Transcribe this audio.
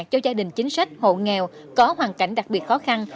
cho gia đình chính sách hộ nghèo có hoàn cảnh đặc biệt khó khăn